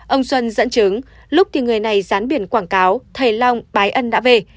ông xuân dẫn chứng lúc thì người này dán biển quảng cáo thầy long bái ân đã về